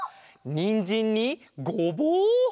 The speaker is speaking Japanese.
にんじんにごぼう！